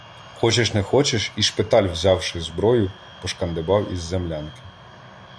Хочеш не хочеш, і "шпиталь", взявши зброю, пошкандибав із землянки.